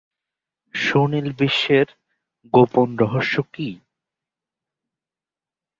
সুনিল বিশ্বের গোপন রহস্য কী?